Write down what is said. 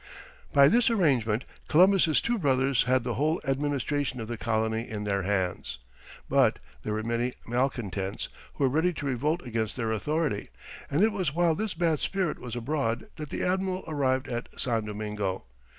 By this arrangement Columbus' two brothers had the whole administration of the colony in their hands. But there were many malcontents who were ready to revolt against their authority, and it was while this bad spirit was abroad that the admiral arrived at San Domingo.